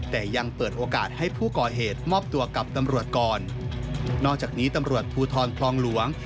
แต่ยังเปิดโอกาสให้ผู้ก่อเหตุมอบตัวกับตำรวจก่อนนอกจากนี้ตำรวจภูทรคลองหลวง